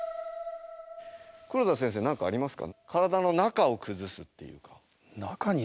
黒田先生何かありますか？